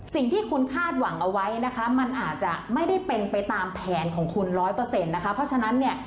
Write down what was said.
สิ่งที่คุณคาดหวังเอาไว้นะคะมันอาจจะไม่ได้เป็นไปตามแผนของคุณร้อยเปอร์เซ็นต์นะคะเพราะฉะนั้นเนี่ย